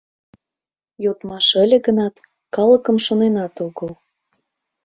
Йодмаш ыле гынат, калыкым шоненат огыл.